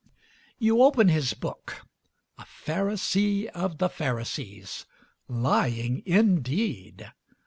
You open his book a Pharisee of the Pharisees. Lying, indeed!